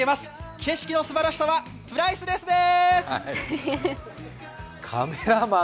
景色のすばらしさはプライスレスです！